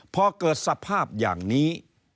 พอเกิดสภาพอย่างนี้